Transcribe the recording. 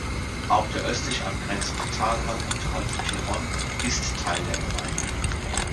Auch der östlich angrenzende Talhang unterhalb von Giron ist Teil der Gemeinde.